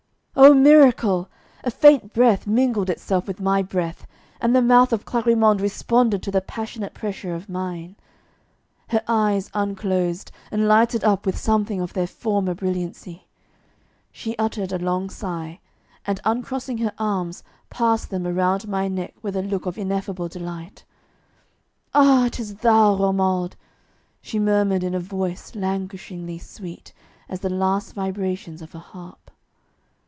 Oh, miracle! A faint breath mingled itself with my breath, and the mouth of Clarimonde responded to the passionate pressure of mine. Her eyes unclosed, and lighted up with something of their former brilliancy; she uttered a long sigh, and uncrossing her arms, passed them around my neck with a look of ineffable delight. 'Ah, it is thou, Romuald!' she murmured in a voice languishingly sweet as the last vibrations of a harp.